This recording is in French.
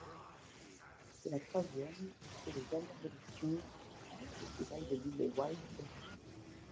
C'est la troisième et dernière édition du festival de l'île de Wight d'origine.